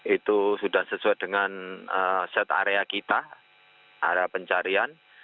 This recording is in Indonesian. itu sudah sesuai dengan set area kita area pencarian